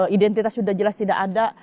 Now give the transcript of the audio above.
identitas sudah jelas tidak ada